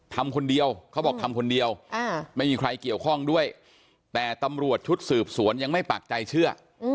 ทำคนเดียวไม่มีใครเกี่ยวข้องด้วยแต่ตำรวจชดสืบสวนยังไม่ปากใจเชื่อ